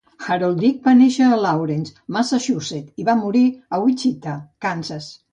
Harold Dick va néixer a Lawrence, Massachusetts i va morir a Wichita, Kansas.